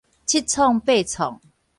七創八創